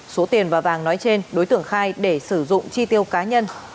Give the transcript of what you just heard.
số tiền và vàng nói trên đối tượng khai để sử dụng chi tiêu cá nhân